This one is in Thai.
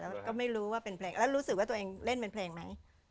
แล้วก็ไม่รู้ว่าเป็นเพลงแล้วรู้สึกว่าตัวเองเล่นเป็นเพลงไหม